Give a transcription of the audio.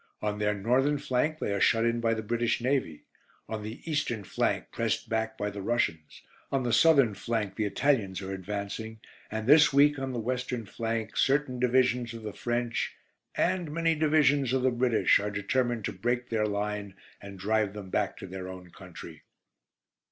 On their northern flank they are shut in by the British Navy, on the eastern flank pressed back by the Russians, on the southern flank the Italians are advancing, and this week, on the western flank, certain Divisions of the French and many Divisions of the British are determined to break their line and drive them back to their own country.